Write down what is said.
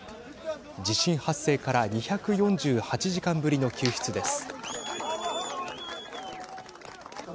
地震発生から２４８時間ぶりの救出です。